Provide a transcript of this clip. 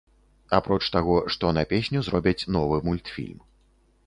Апроч таго, што на песню зробяць новы мультфільм.